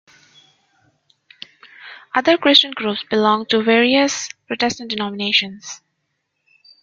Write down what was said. Other Christian groups belong to various Protestant denominations.